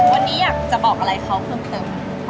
วันนี้อยากจะบอกอะไรเขาเพิ่มเติม